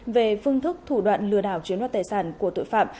về phương thức thủ đoạn lừa đảo chiếm đoạt tài sản của tội phạm